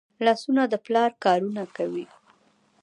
لاسونه د پلار کارونه کوي